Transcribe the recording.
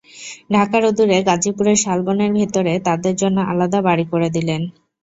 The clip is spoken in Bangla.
ঢাকার অদূরে গাজীপুরের শালবনের ভেতরে তাদের জন্য আলাদা বাড়ি করে দিলেন।